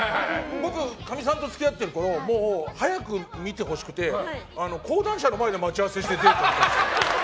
僕、かみさんと付き合ってるころ早く見てほしくて講談社の前で待ち合わせしてデートに行ってて。